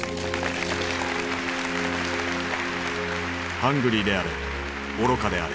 「ハングリーであれ愚かであれ」。